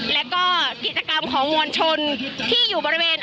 แล้วก็กิจกรรมของมวลชนที่อยู่บริเวณ